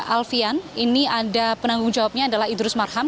alfian ini ada penanggung jawabnya adalah idrus marham